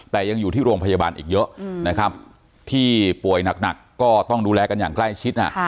แต่ยังอยู่ที่โรงพยาบาลอีกเยอะนะครับที่ป่วยหนักก็ต้องดูแลกันอย่างใกล้ชิด